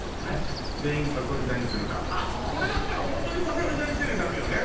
全員さそり座にするかこれだったらホントにさそり座にしなきゃダメよね